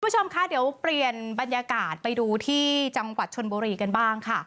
คุณผู้ชมคะเดี๋ยวเปลี่ยนบรรยากาศไปดูที่จังหวัดชนบุรีกันบ้างค่ะ